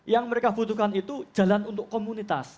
yang mereka butuhkan itu jalan untuk komunitas